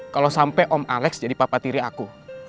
kalau sampai om alex jadi papa tiri aku